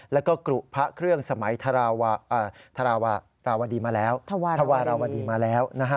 แล้วก็กลุ่มพระเครื่องสมัยธวาราวดีมาแล้ว